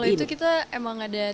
kalau itu kita emang ada